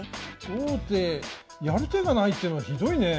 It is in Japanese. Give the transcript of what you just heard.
王手やる手がないってのはひどいねえ。